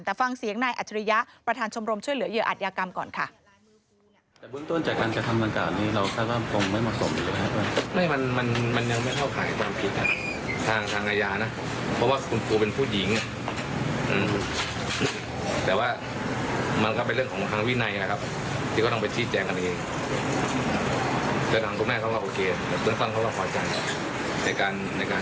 แต่ฟังเสียงนายอัจฉริยะประธานชมรมช่วยเหลือเหยื่ออัตยากรรมก่อนค่ะ